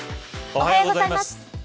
おはようございます。